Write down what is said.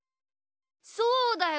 そうだよ！